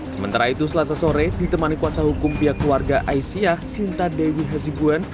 sementara itu selasa sore ditemani kuasa hukum pihak keluarga aisyah sinta dewi hazibuan